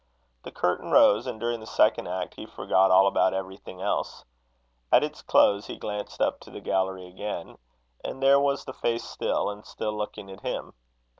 The curtain rose, and during the second act he forgot all about everything else. At its close he glanced up to the gallery again, and there was the face still, and still looking at him.